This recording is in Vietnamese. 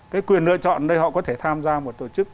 cái quyền lựa chọn đây họ có thể tham gia một tổ chức